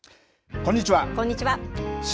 こんにちは。